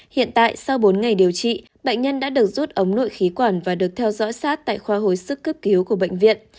hiện tại sau bốn ngày điều trị bệnh nhân đã được rút ống nội khí quản và được theo dõi sát tại khoa hồi sức cấp cứu của bệnh viện